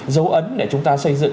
dấu ấn để chúng ta xây dựng